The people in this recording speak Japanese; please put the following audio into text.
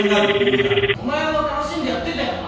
お前も楽しんでやってたよな？